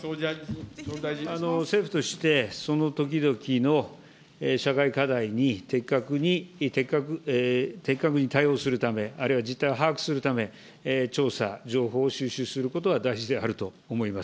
政府として、その時々の社会課題に適格に対応するため、あるいは実態を把握するため、調査、情報を収集することは大事であると思います。